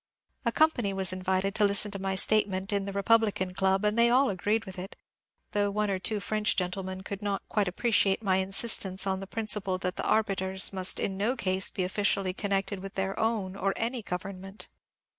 A company was invited to listen to my statement, in the Republican Club, and they all agreed with it, though one or two French gentlemen could not quite ap preciate my insistence on the principle that the arbiters must in no case be officially connected with their own or any gov ernment.